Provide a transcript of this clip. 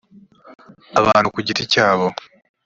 abantu ku giti cyabo